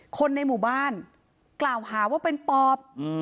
คนในหมู่บ้านกล่าวหาว่าเป็นปอบ